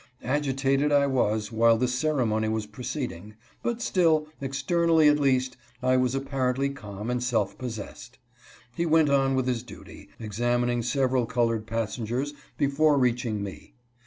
Agitated I was while this ceremony was proceeding, but still, externally at least, I was apparently calm and self possessed. He went on with his duty — examining several colored passengers before reaching me.